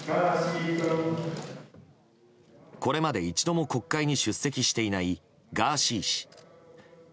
これまで一度も国会に出席していないガーシー氏。